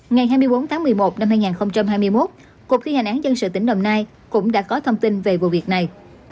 ngày hai mươi bốn tháng một mươi một năm hai nghìn hai mươi một cục thi hành án dân sự tỉnh đồng nai cũng đã có thông tin về vụ việc này